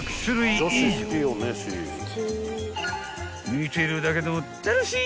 ［見ているだけでも楽しい！